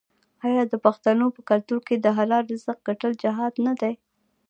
آیا د پښتنو په کلتور کې د حلال رزق ګټل جهاد نه دی؟